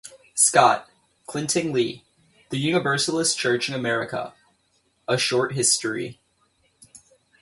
Scott, Clinton Lee: The Universalist Church in America: A Short History.